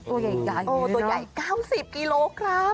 ตัวใหญ่กลายอย่างนี้นะตัวใหญ่๙๐กิโลกรัม